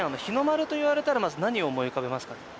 日の丸と言われたらまず何を思い浮かべますか？